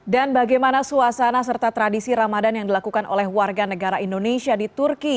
dan bagaimana suasana serta tradisi ramadan yang dilakukan oleh warga negara indonesia di turki